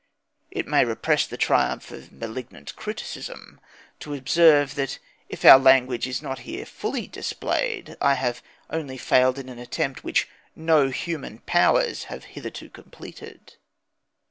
It may repress the triumph of malignant criticism to observe that if our language is not here fully displayed, I have only failed in an attempt which no human powers have hitherto completed...."